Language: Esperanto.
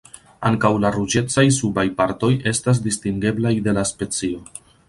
Ankaŭ la ruĝecaj subaj partoj estas distingeblaj de la specio.